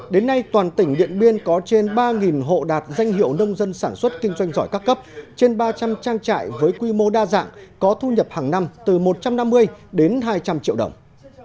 đến nay toàn tỉnh điện biên có trên ba hộ đạt danh hiệu nông dân sản xuất kinh doanh giỏi các cấp trên ba trăm linh trang trại với quy mô đa dạng có thu nhập hàng năm từ một trăm năm mươi đến hai trăm linh triệu đồng